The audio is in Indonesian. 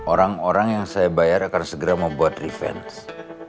orang orang yang saya bayar akan segera membuat refense